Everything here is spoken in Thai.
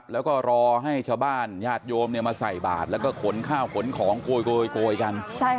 แล้วก็รอให้ชาวบ้านญาติโยมมาใส่บาทแล้วก็ขนข้าวขนของโกยกัน